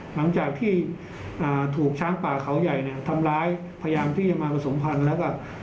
หลังจากที่ถูกช้างป่าเขาใหญ่ทำร้ายพยายามที่ยังมาส่งพันธุ์